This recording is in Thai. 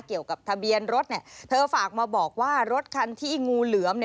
เกี่ยวกับทะเบียนรถเธอฝากมาบอกว่ารถคันที่งูเหลือม